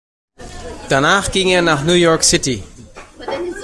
Danach ging er nach New York City.